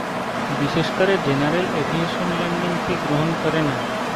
বিশেষ করে general aviation landing fee গ্রহণ করে না।